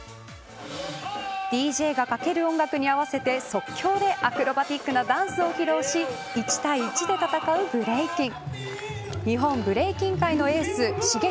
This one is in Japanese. ＤＪがかける音楽に合わせて即興で、アクロバティックなダンスを披露し一対一で戦うブレイキン。